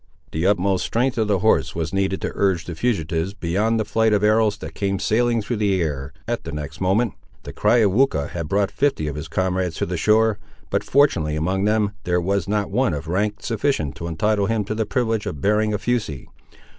The utmost strength of the horse was needed to urge the fugitives, beyond the flight of arrows that came sailing through the air, at the next moment. The cry of Weucha had brought fifty of his comrades to the shore, but fortunately among them all, there was not one of a rank sufficient to entitle him to the privilege of bearing a fusee.